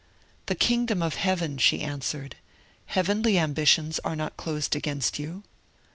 'The kingdom of Heaven,' she answered; 'heavenly ambitions are not closed against you.'